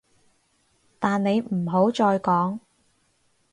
但你唔好再講